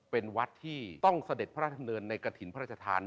เป็นวัดที่ต้องเสด็จพระราชดำเนินในกระถิ่นพระราชทาน